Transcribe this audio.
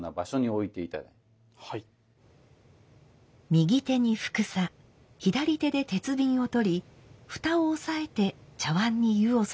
右手に帛紗左手で鉄瓶を取り蓋を押さえて茶碗に湯を注ぎます。